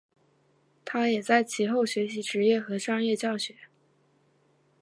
他也在其后学习职业和商业教学。